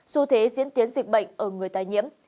vì thế diễn tiến dịch bệnh ở người tái nhiễm